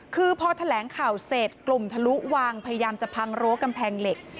คือพอแถลงข่าวเสร็จกลุ่มทะลุวังพยายามจะพังรั้วกำแพงเหล็ก